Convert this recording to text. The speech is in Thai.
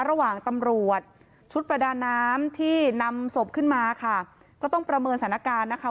ระหว่างตำรวจชุดประดาน้ำที่นำศพขึ้นมาค่ะก็ต้องประเมินสถานการณ์นะคะ